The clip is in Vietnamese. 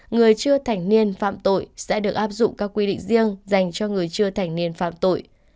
người chưa thành niên phạm tội sẽ được áp dụng các quy định riêng dành cho người chưa thành niên phạm tội